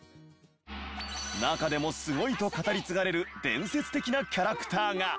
中でもスゴいと語り継がれる伝説的なキャラクターが。